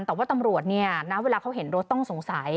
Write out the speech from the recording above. แต่ว่าตำรวจเนี่ยนะเวลาเขาเห็นรถต้องสงสัย